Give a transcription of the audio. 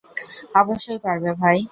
অবশ্যই পারবে, ভাই।